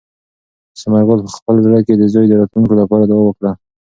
ثمر ګل په خپل زړه کې د زوی د راتلونکي لپاره دعا وکړه.